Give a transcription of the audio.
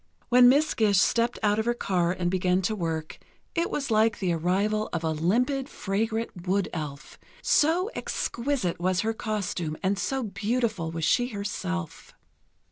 When Miss Gish stepped out of her car and began to work, it was like the arrival of a limpid, fragrant wood elf, so exquisite was her costume and so beautiful was she herself....